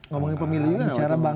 ngomongin pemilih juga nggak waktu itu